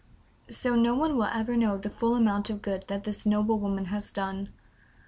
So, no one will ever know the full amount of good that this noble woman has done.